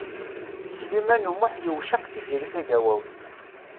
Sliman U Muḥ yewceq Tiziri Tagawawt.